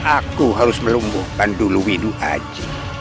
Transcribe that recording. aku harus melumbuhkan dulu widu aji